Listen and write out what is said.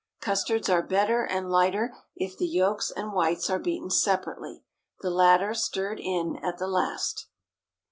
Custards are better and lighter if the yolks and whites are beaten separately, the latter stirred in at the last.